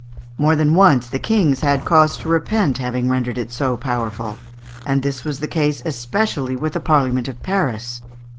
More than once the kings had cause to repent having rendered it so powerful, and this was the case especially with the Parliament of Paris.